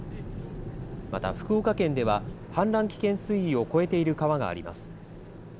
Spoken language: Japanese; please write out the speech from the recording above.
また、福岡県では氾濫危険水位を超えている川があります。